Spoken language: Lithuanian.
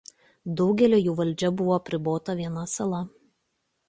Daugelio jų valdžia buvo apribota viena sala.